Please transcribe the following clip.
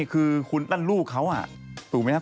คือคุณนั่นลูกเขาถูกไหมครับ